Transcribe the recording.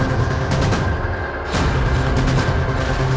jika kita perilipip alexander fen hag pepini